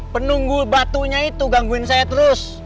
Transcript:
penunggu batunya itu gangguin saya terus